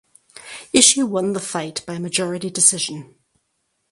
Ishii won the fight by majority decision.